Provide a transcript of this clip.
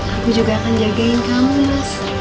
aku juga akan jagain kamu mas